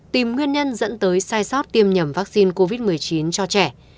tìm nguyên nhân dẫn tới sai sót tiêm nhầm vaccine covid một mươi chín cho trẻ